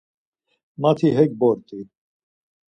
Mati hek bort̆i.